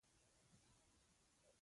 زما د ماشومتوب دوره د راډیو دوره وه.